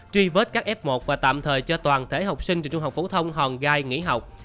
truy vết các f một và tạm thời cho toàn thể học sinh trường trung học phổ thông hòn gai nghỉ học